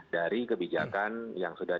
dari kebijakan yang sudah